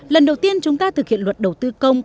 lần đầu tiên chúng ta thực hiện luật đầu tư công